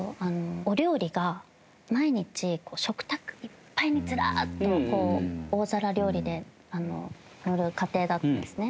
お料理が毎日食卓いっぱいにずらーっとこう大皿料理でのる家庭だったんですね。